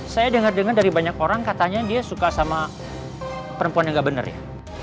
saya dengar dengar dari banyak orang katanya dia suka sama perempuan yang gak bener ya